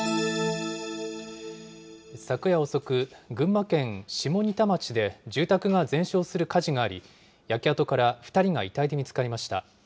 昨夜遅く、群馬県下仁田町で住宅が全焼する火事があり、焼け跡から２人が遺体で見つかりました。